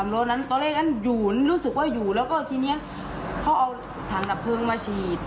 รู้สึกว่าอยู่แล้วก็ทีนี้เขาเอาถังดับพื้งมาฉีด